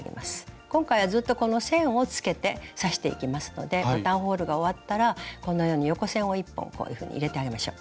今回はずっとこの線をつけて刺していきますのでボタンホールが終わったらこのように横線を１本こういうふうに入れてあげましょう。